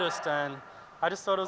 dan saya pikir itu luar biasa